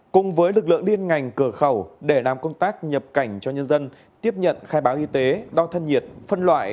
cùng với lực lượng liên ngành cửa khẩu để làm công tác nhập cảnh cho nhân dân tiếp nhận khai báo y tế đo thân nhiệt phân loại